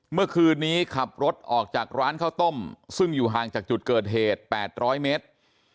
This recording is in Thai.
เมื่อคืนนี้ขับรถออกจากร้านข้าวต้มซึ่งอยู่ห่างจากจุดเกิดเหตุ๘๐๐เมตร